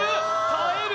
耐える！